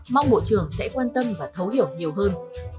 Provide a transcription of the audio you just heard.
mong bộ trưởng sẽ quan tâm và thấu hiểu nhiều hơn